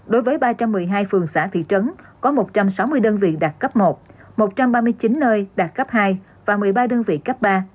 đối với ba trăm một mươi hai phường xã thị trấn có một trăm sáu mươi đơn vị đạt cấp một một trăm ba mươi chín nơi đạt cấp hai và một mươi ba đơn vị cấp ba